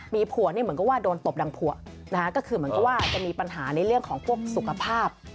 มีผัวนี่เหมือนกับว่าโดนตบดังผัวนะคะก็คือเหมือนกับว่าจะมีปัญหาในเรื่องของพวกสุขภาพ